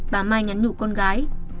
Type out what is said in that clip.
bà my nhắn nụ con gái